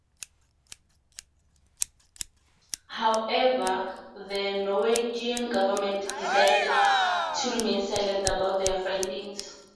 However, the Norwegian government decided to remain silent about their findings.